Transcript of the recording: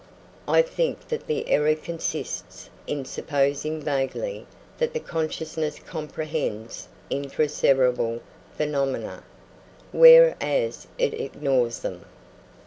I think that the error consists in supposing vaguely that the consciousness comprehends intra cerebral phenomena, whereas it ignores them.